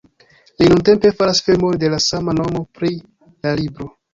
Li nuntempe faras filmon de la sama nomo pri la libro.